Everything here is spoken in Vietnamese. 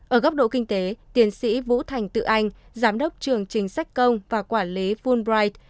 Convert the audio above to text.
ở góc độ kinh tế tiến sĩ vũ thành tự anh giám đốc trường chính sách công và quản lý fulbright